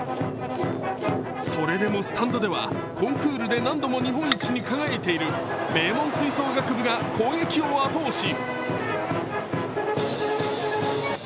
それでもスタンドではコンクールで何度も日本一に輝いている名門吹奏楽部が攻撃を後押し。